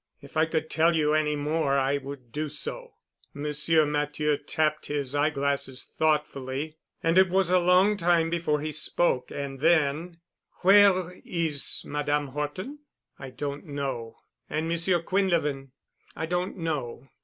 If I could tell you any more I would do so." Monsieur Matthieu tapped his eye glasses thoughtfully and it was a long time before he spoke. And then, "Where is Madame Horton?" "I don't know." "And Monsieur Quinlevin?" "I don't know."